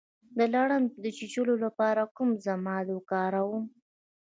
د لړم د چیچلو لپاره کوم ضماد وکاروم؟